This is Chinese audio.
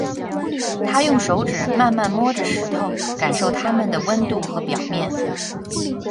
他用手指慢慢摸着石头，感受它们的温度和表面。